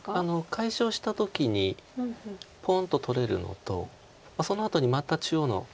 解消した時にポンと取れるのとそのあとにまた中央の。